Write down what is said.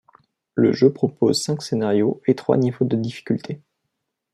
Le jeu propose cinq scénarios et trois niveaux de difficulté.